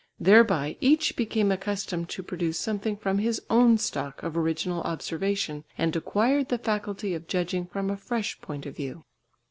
Thereby each became accustomed to produce something from his own stock of original observation and acquired the faculty of judging from a fresh point of view.